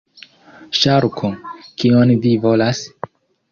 Ŝarko: "Kion vi volas?"